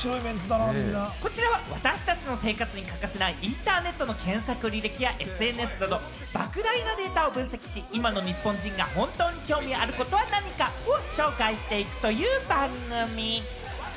こちらは私たちの生活に欠かせないインターネットの検索履歴やＳＮＳなど、莫大なデータを分析し、今の日本人が本当に興味のあることは何かを紹介していくという番組。